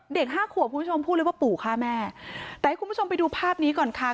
ห้าขวบคุณผู้ชมพูดเลยว่าปู่ฆ่าแม่แต่ให้คุณผู้ชมไปดูภาพนี้ก่อนค่ะ